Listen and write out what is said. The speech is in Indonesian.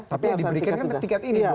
tapi yang diberikan kan tiket ini